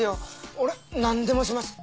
俺何でもします。